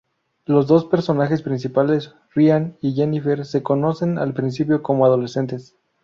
Los dos personajes principales, Ryan y Jennifer, se conocen al principio como adolescentes.